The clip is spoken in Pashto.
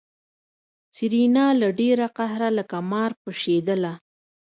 سېرېنا له ډېره قهره لکه مار پشېدله.